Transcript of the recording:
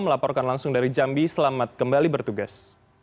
melaporkan langsung dari jambi selamat kembali bertugas